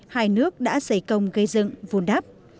hai nước đã xảy công gây dựng vùn đắp